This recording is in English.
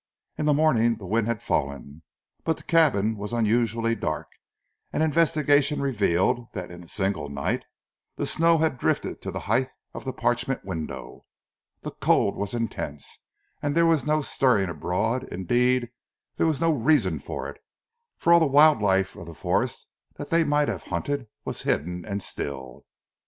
In the morning the wind had fallen, but the cabin was unusually dark, and investigation revealed that in a single night the snow had drifted to the height of the parchment window. The cold was intense, and there was no stirring abroad; indeed, there was no reason for it, since all the wild life of the forest that they might have hunted, was hidden and still.